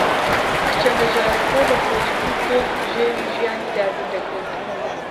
کچە هەژارەکە بە فرۆشتنی گوڵ بژێوی ژیانی دابین دەکرد.